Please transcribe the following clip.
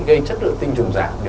gây chất lượng tinh trùng giả